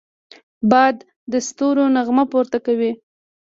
باد د ستورو نغمه پورته کوي